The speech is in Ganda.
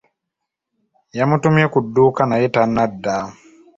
Yamutumye ku dduuka naye tannadda.